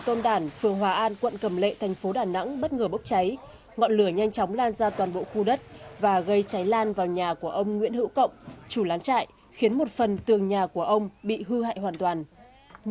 tổn đản phường hòa an quận cầm lệ thành phố đà nẵng bất ngờ bốc cháy ngọn lửa nhanh chóng lan ra toàn bộ khu đất và gây cháy lan vào nhà của ông nguyễn hữu cộng chủ lán chạy khiến một phần tường nhà của ông bị hư hại hoàn toàn